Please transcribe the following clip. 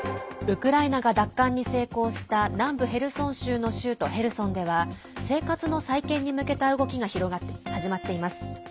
ウクライナが奪還に成功した南部ヘルソン州の州都ヘルソンでは生活の再建に向けた動きが始まっています。